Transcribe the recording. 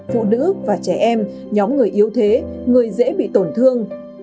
phụ nữ và trẻ em nhóm người yếu thế người dễ bị tổn thương